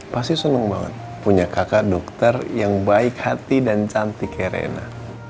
pasti seneng banget punya kakak dokter yang baik hati dan cantik ya rena